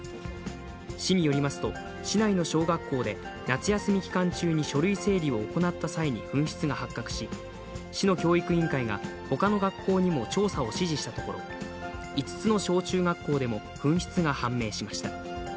市によりますと、市内の小学校で夏休み期間中に書類整理を行った際に紛失が発覚し、市の教育委員会がほかの学校にも調査を指示したところ、５つの小中学校でも紛失が判明しました。